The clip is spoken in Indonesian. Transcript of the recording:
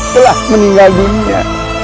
telah meninggal dunia